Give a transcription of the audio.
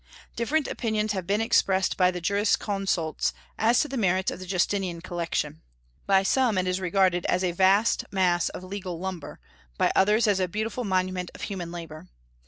Different opinions have been expressed by the jurisconsults as to the merits of the Justinian collection. By some it is regarded as a vast mass of legal lumber; by others, as a beautiful monument of human labor.